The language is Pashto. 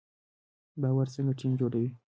باور څنګه ټیم جوړوي؟